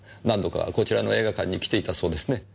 何度かこちらの映画館に来ていたそうですね？